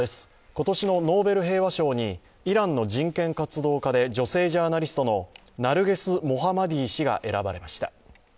今年のノーベル平和賞にイランの人権活動家で女性ジャーナリストのナルゲス・モハマディ氏が選ばれました。